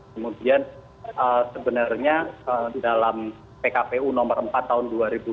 kemudian sebenarnya dalam pkpu nomor empat tahun dua ribu dua puluh